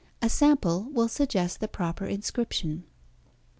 A sample will suggest the proper inscription.